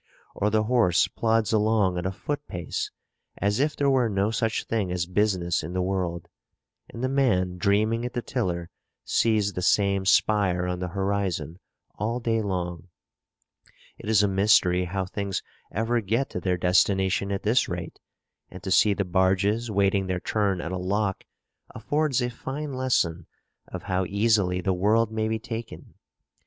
Or the horse plods along at a foot pace as if there were no such thing as business in the world; and the man dreaming at the tiller sees the same spire on the horizon all day long. It is a mystery how things ever get to their destination at this rate; and to see the barges waiting their turn at a lock, affords a fine lesson of how easily the world may be taken.